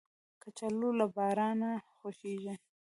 کچالو له بارانه خوښیږي